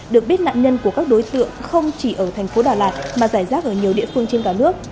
được biết nạn nhân của các đối tượng không chỉ ở thành phố đà lạt mà giải rác ở nhiều địa phương trên cả nước